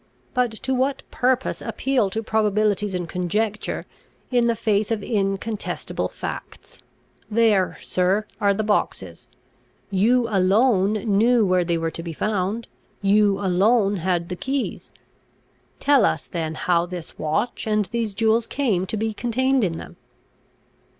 But to what purpose appeal to probabilities and conjecture, in the face of incontestable facts? There, sir, are the boxes: you alone knew where they were to be found; you alone had the keys: tell us then how this watch and these jewels came to be contained in them?"